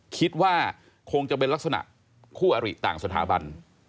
คิดว่าคงจะเป็นลักษณะคู่อริต่างสถาบัน